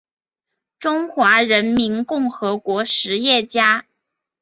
中华人民共和国实业家。